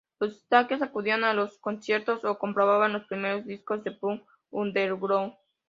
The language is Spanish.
Los skaters acudían a los conciertos o compraban los primeros discos de punk underground.